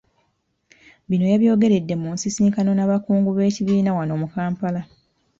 Bino yabyogeredde mu nsisinkano n'abakungu b'ekibiina wano mu Kampala.